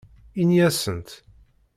Ini-asent.